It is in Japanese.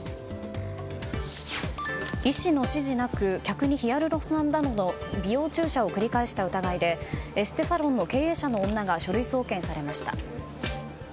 医師の指示なく客にヒアルロン酸などの美容注射を繰り返した疑いでエステサロンの経営者の女が書類送検されました。